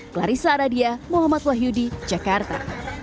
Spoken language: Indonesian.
clarissa aradia muhammad wahyudi jakarta